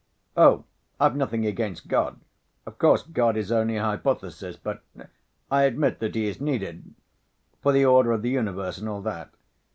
"Oh, I've nothing against God. Of course, God is only a hypothesis, but ... I admit that He is needed ... for the order of the universe and all that